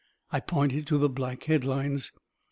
I pointed to the black headlines.